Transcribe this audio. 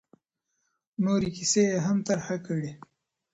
نورې کیسې یې هم طرحه کړې.